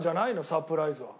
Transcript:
サプライズは。